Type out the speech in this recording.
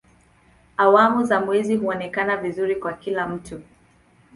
Awamu za mwezi huonekana vizuri kwa kila mtu.